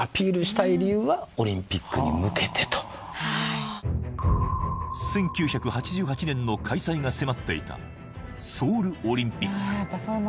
ほうに向けてと１９８８年の開催が迫っていたソウルオリンピック